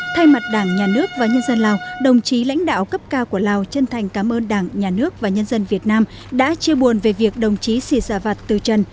thay mặt đảng nhà nước và nhân dân lào đồng chí lãnh đạo cấp cao của lào chân thành cảm ơn đảng nhà nước và nhân dân việt nam đã chia buồn về việc đồng chí sĩ dạ vạt từ trần